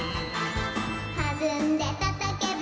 「はずんでたたけば」